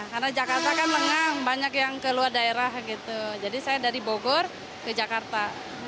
karena jakarta kan lengang banyak yang ke luar daerah gitu jadi saya dari bogor ke jakarta